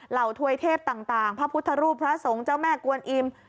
ถวยเทพต่างพระพุทธรูปพระสงฆ์เจ้าแม่กวนอิ่ม